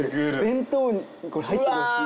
弁当に入っててほしい。